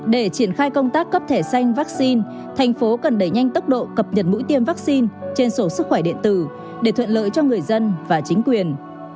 để triển khai công tác cấp thẻ xanh vaccine thành phố cần đẩy nhanh tốc độ cập nhật mũi tiêm vaccine trên sổ sức khỏe điện tử để thuận lợi cho người dân và chính quyền